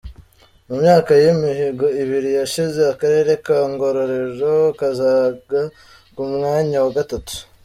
Mu myaka y’imihigo ibiri yashize, Akarere ka Ngororero kazaga ku mwanya wa gatatu.